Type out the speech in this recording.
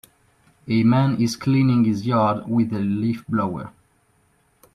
A man is cleaning his yard with a leaf blower